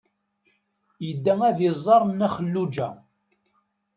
Yedda ad d-iẓer Nna Xelluǧa?